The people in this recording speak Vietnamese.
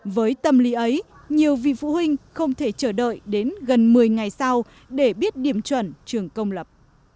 với tâm lý ấy nhiều vì phụ huynh không thể chờ đợi đến gần một mươi ngày sau để biết điểm chuẩn trường công lập